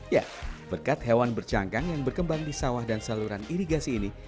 ya berkat hewan bercangkang yang berkembang di sawah dan saluran irigasi ini